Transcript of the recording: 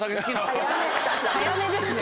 早めですね